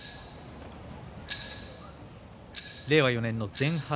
令和４年の前半